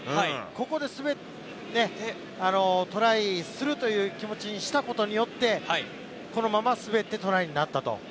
ここでトライするという気持ちにしたことによって、このまま滑ってトライになったと。